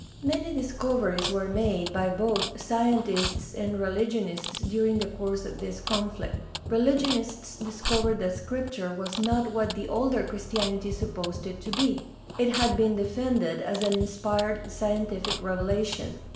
Many discoveries were made by both scientists and religionists during the course of this conflict. Religionists discovered that Scripture was not what the older Christianity supposed it to be. It had been defended as an inspired scientific revelation.